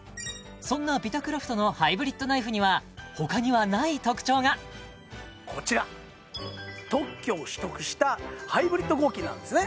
そんなビタクラフトのハイブリッドナイフにはこちら特許を取得したハイブリッド合金なんですね